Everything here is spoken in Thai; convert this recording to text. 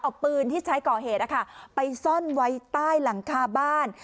เอาปืนที่ใช้ก่อเหตุไปซ่อนไว้ใต้หลังคาบ้าน